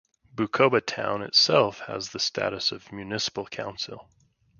Bukoba Town itself has the status of a municipal Council.